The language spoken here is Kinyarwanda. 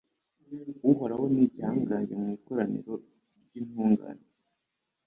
Uhoraho ni igihangange mu ikoraniro ry’intungane